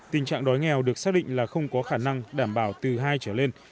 tình trạng đói nghèo được xác định là không có khả năng đảm bảo từ hai trở lên